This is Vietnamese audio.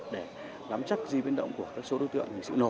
để lắm chắc diễn biến động của các số đối tượng